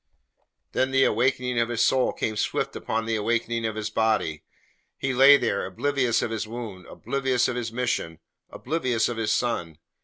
Then the awakening of his soul came swift upon the awakening of his body. He lay there, oblivious of his wound, oblivious of his mission, oblivious of his son.